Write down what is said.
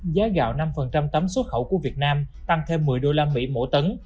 giá gạo năm tấm xuất khẩu của việt nam tăng thêm một mươi đô la mỹ mỗi tấn